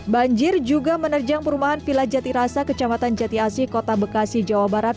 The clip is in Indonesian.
banjir juga menerjang perumahan villa jati rasa kecamatan jati asih kota bekasi jawa barat